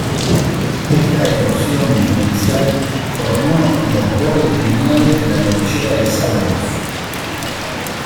Esta erosión diferencial formó los bordes lineales de la cordillera de Zagros.